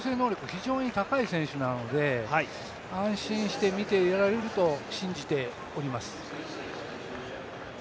非常に高い選手ですので安心して見ていられると信じております。